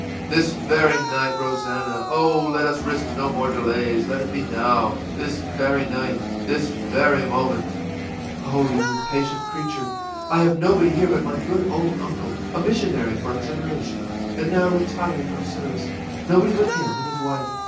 î ìThis very night, Rosannah! Oh, let us risk no more delays. Let it be now! this very night, this very moment!î ìOh, you impatient creature! I have nobody here but my good old uncle, a missionary for a generation, and now retired from service nobody but him and his wife.